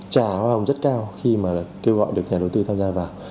trả hoa hồng rất cao khi mà kêu gọi được nhà đầu tư tham gia vào